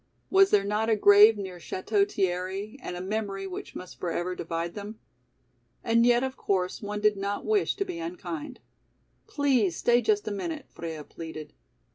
Was there not a grave near Château Thierry and a memory which must forever divide them? And yet of course one did not wish to be unkind. "Please stay just a minute," Freia pleaded.